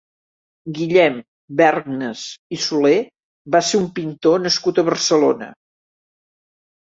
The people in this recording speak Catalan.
Guillem Bergnes i Soler va ser un pintor nascut a Barcelona.